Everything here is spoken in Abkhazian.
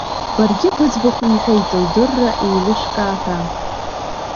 Баргьы быӡбахә иҳәеит лдырра еилышәкаа ҳәа.